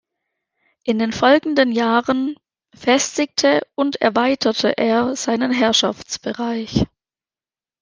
In den folgenden Jahren festigte und erweiterte er seinen Herrschaftsbereich.